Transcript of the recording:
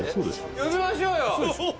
「呼びましょうよ」